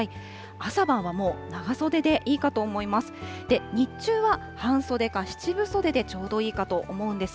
朝晩はもう、長袖でいいかと思います。